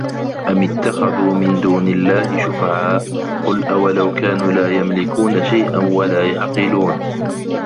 أَمِ اتَّخَذوا مِن دونِ اللَّهِ شُفَعاءَ قُل أَوَلَو كانوا لا يَملِكونَ شَيئًا وَلا يَعقِلونَ